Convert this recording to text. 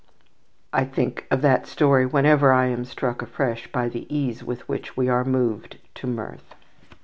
I think of that story whenever I am struck afresh by the ease with which we are moved to mirth.